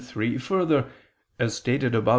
3: Further, as stated above (A.